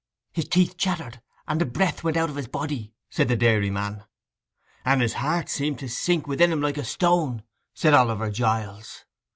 'His teeth chattered, and the breath went out of his body,' said the dairyman. 'And his heart seemed to sink within him like a stone,' said Oliver Giles.